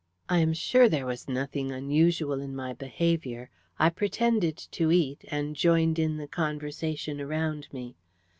I am sure there was nothing unusual in my behaviour. I pretended to eat, and joined in the conversation around me.